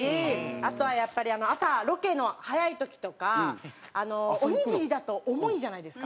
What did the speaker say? あとはやっぱり朝ロケの早い時とかおにぎりだと重いじゃないですか。